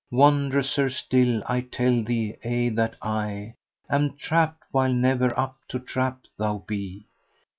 Wondrouser still I tell thee aye that I * Am trapped while never up to trap thou be!